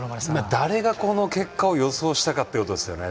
誰が、この結果を予想したかというところでしたね。